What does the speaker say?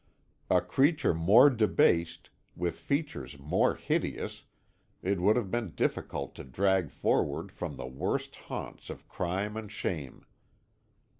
A creature more debased, with features more hideous, it would have been difficult to drag forward from the worst haunts of crime and shame.